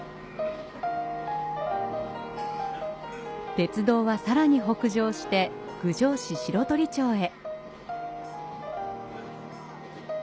鉄道はさらに北上して郡上市白鳥町へ。